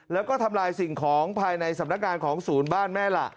แล้วก็ทำลายสิ่งของภายในสำนักงานของศูนย์บ้านแม่ละ